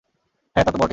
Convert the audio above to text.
হ্যাঁ, তা তো বটেই।